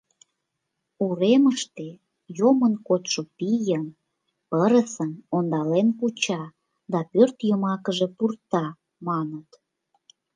Уремыште йомын кодшо пийым, пырысым ондален куча да пӧрт йымакыже пурта, маныт.